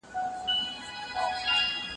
که وخت وي، کار کوم!؟